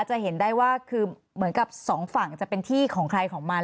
จะเห็นได้ว่าคือเหมือนกับสองฝั่งจะเป็นที่ของใครของมัน